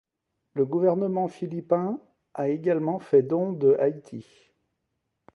Le Gouvernement philippin a également fait don de à Haïti.